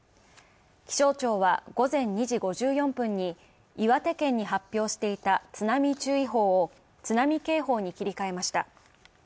気象庁は午前２時５４分に岩手県に発表していた津波注意報を津波警報に切り替えました。